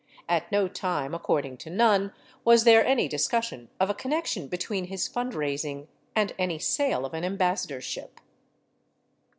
At no time, according to Nunn, was there any discussion of a connection between his fundraising and any sale of an ambassadorship.